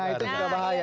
nah itu juga bahaya